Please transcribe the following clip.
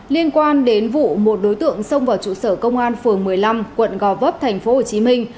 liên quan đến vụ một đối tượng xông vào trụ sở công an phường một mươi năm quận gò vấp thành phố hồ chí minh